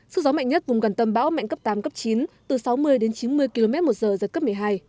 sức gió mạnh nhất vùng gần tâm bão mạnh cấp tám cấp chín từ sáu mươi đến chín mươi km một giờ giật cấp một mươi hai